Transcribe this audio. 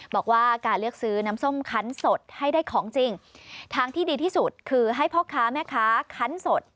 บอกว่าการเลือกซื้อน้ำส้มคันสดให้ได้ของจริงทางที่ดีที่สุดคือให้พ่อค้าแม่ค้าคันสด